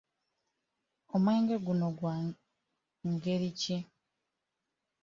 Omwenge guno gwe gw'engeri ki?